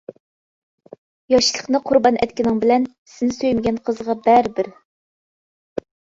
ياشلىقنى قۇربان ئەتكىنىڭ بىلەن، سېنى سۆيمىگەن قىزغا بەرىبىر.